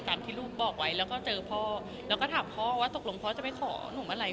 ที่ลูกบอกไว้แล้วก็เจอพ่อแล้วก็ถามพ่อว่าตกลงพ่อจะไปขอหนุ่มอะไร